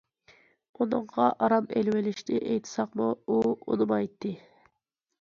ئۇنىڭغا ئارام ئېلىۋېلىشنى ئېيتساقمۇ، ئۇ ئۇنىمايتتى.